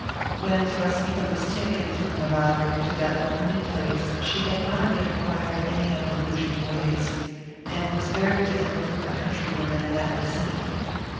When Frasquita was taken from Navarre to that lonely place she had not yet acquired any Andalusian ways, and was very different from the countrywomen in that vicinity.